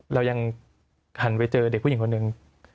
เรายังหันไปเจอเด็กผู้หญิงคนหนึ่ง